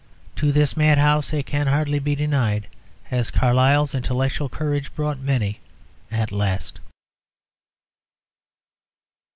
To this madhouse, it can hardly be denied, has Carlyle's intellectual courage brought many at last.